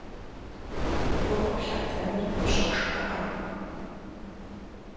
Гу къыплъатэныр пщӀэшхуэкъэ!